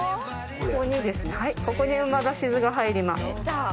ここで旨だし酢が入ります。